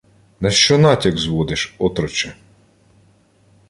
— На що натяк зводиш, отроче?